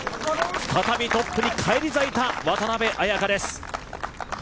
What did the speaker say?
再びトップに返り咲いた渡邉彩香です。